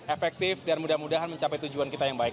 efektif dan mudah mudahan mencapai tujuan kita yang baik